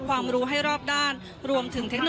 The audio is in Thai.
ก็จะมีการพิพากษ์ก่อนก็มีเอ็กซ์สุขก่อน